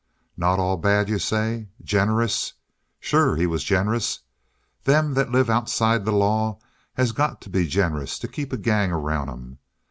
"Not all bad, you say? Generous? Sure he was generous. Them that live outside the law has got to be generous to keep a gang around 'em.